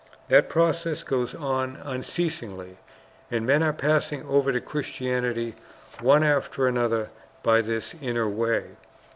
That process goes on unceasingly, and men are passing over to Christianity one after another by this inner way.